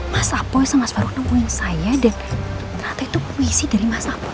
mas apoy sama mas farouk nemuin saya dan ternyata itu puisi dari mas apoy